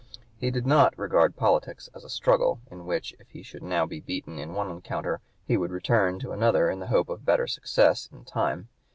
He did not regard politics as a struggle in which, if he should now (p. 167) be beaten in one encounter, he would return to another in the hope of better success in time.